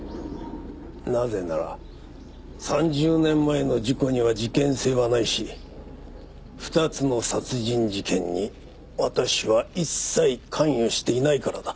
なぜなら３０年前の事故には事件性はないし２つの殺人事件に私は一切関与していないからだ。